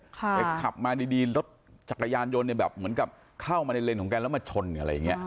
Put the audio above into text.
แต่ขับมาดีรถจักรยานยนต์เนี่ยแบบเหมือนกับเข้ามาในเลนของแกแล้วมาชนอะไรอย่างนี้